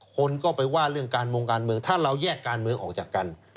คนก็ไปว่าเรื่องการมงการเมืองถ้าเราแยกการเมืองออกจากกัน